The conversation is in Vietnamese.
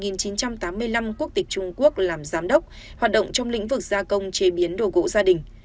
năm một nghìn chín trăm tám mươi năm quốc tịch trung quốc làm giám đốc hoạt động trong lĩnh vực gia công chế biến đồ gỗ gia đình